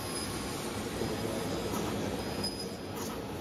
ښوروا د خولې نرم خوند لري.